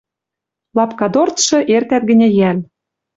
Лапка дорцшы эртӓт гӹньӹ йӓл...